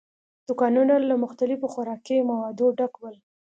دوکانونه له مختلفو خوراکي موادو ډک ول.